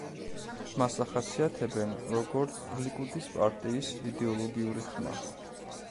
მას ახასიათებენ, როგორც ლიკუდის პარტიის „იდეოლოგიური ხმა“.